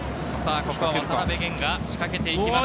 ここは渡辺弦が仕掛けていきます。